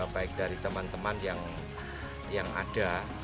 baik dari teman teman yang ada